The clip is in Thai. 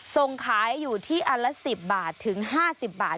ส่งขายอยู่ที่อันละ๑๐บาทถึง๕๐บาท